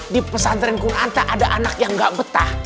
di pesantren kun anta ada anak yang ga betah